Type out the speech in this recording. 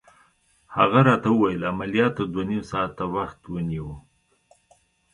هغې راته وویل: عملياتو دوه نيم ساعته وخت ونیو.